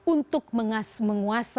untuk menguasai ambisi